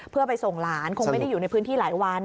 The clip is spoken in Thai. เพื่อไปส่งหลานคงไม่ได้อยู่ในพื้นที่หลายวัน